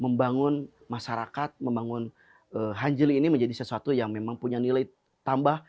membangun masyarakat membangun hanjeli ini menjadi sesuatu yang memang punya nilai tambah